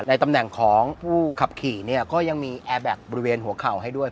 ตำแหน่งของผู้ขับขี่เนี่ยก็ยังมีแอร์แบ็คบริเวณหัวเข่าให้ด้วย